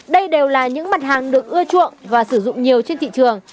đây đều là những mặt hàng được ưa chuộng và sử dụng nhiều trên thị trường